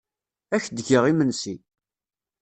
Ad ak-d-geɣ imensi.